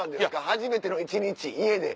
初めての一日家で。